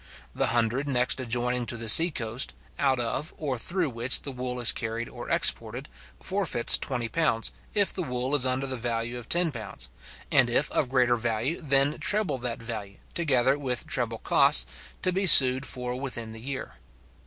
The hundred next adjoining to the sea coast, out of, or through which the wool is carried or exported, forfeits £20, if the wool is under the value of £10; and if of greater value, then treble that value, together with treble costs, to be sued for within the year.